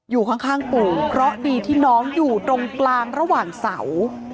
อยู่ข้างปู่เพราะดีที่น้องอยู่ตรงกลางระหว่างเสา